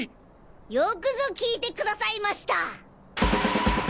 よくぞ聞いてくださいました！